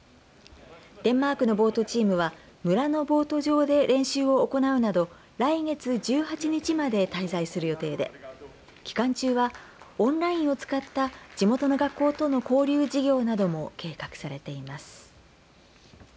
デンマークのボートチームは村のボート場で練習を行うなど来月１８日まで滞在する予定で期間中はオンラインを使った地元の学校との交流事業なども計画されています。